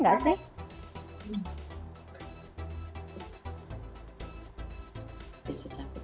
ngerasa capek tidak kalau kerja